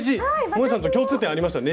もえさんと共通点ありましたよ